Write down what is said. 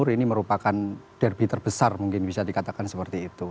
ini merupakan derby terbesar mungkin bisa dikatakan seperti itu